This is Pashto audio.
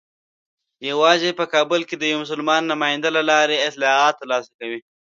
یوازې په کابل کې د یوه مسلمان نماینده له لارې اطلاعات ترلاسه کوي.